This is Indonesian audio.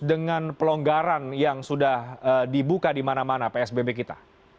dengan pelonggaran yang sudah dibuka di mana mana psbb kita